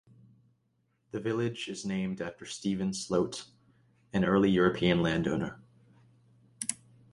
The village is named after Stephen Sloat, an early European landowner.